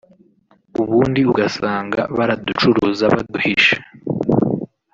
ubundi ugasanga baraducuruza baduhishe